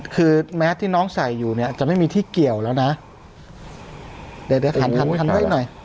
คือแมสที่น้องใส่อยู่เนี่ยจะไม่มีที่เกี่ยวแล้วนะเดี๋ยวเดี๋ยวหันทันหันไว้หน่อย